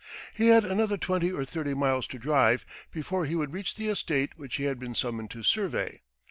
He had another twenty or thirty miles to drive before he would reach the estate which he had been summoned to survey.